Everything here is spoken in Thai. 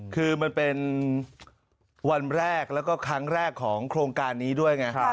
คือมันเป็นวันแรกแล้วก็ครั้งแรกของโครงการนี้ด้วยไง